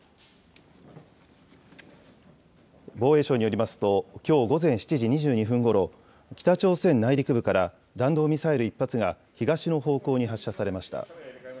防衛省によりますと、きょう午前７時２２分ごろ、北朝鮮内陸部から弾道ミサイル１発が東の方向に発射されました。